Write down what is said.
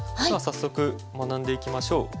早速学んでいきましょう。